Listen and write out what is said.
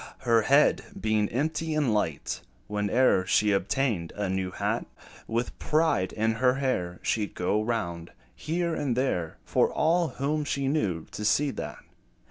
Her head being empty and light, Whene'er she obtained a new hat, With pride in her air, She 'd go round, here and there, For all whom she knew to see that.